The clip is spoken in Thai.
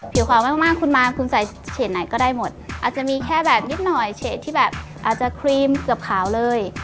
ขาวมากคุณมาคุณใส่เฉดไหนก็ได้หมดอาจจะมีแค่แบบนิดหน่อยเฉดที่แบบอาจจะครีมเกือบขาวเลย